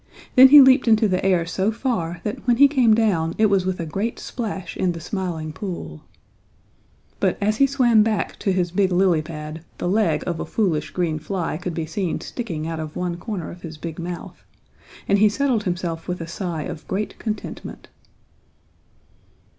Then he leaped into the air so far that when he came down it was with a great splash in the Smiling Pool. But as he swam back to his big lily pad the leg of a foolish green fly could be seen sticking out of one corner of his big mouth, and he settled himself with a sigh of great contentment.